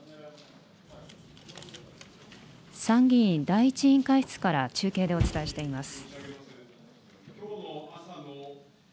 参議院第１委員会室から中継でお伝えしています。